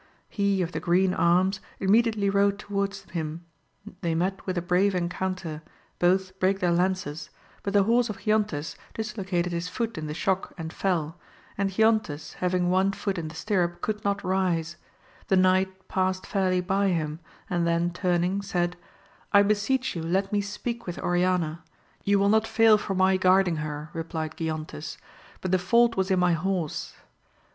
He of the green arms immediately rode towards him, they met with a brave encounter, both brake their lances, but the horse of Giontes dislocated his foot in the shock and fell, and Giontes having one foot in the stirrup could not rise ; the knight passed fjEurly by him, and then turning said, I beseech you 46 AMADIS OF GAUL. let me speak with Oriana ! you will not fail for my guarding her, replied Giontes, but the fault was in my horse.